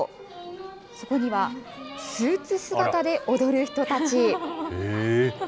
そこにはスーツ姿で踊る人たち。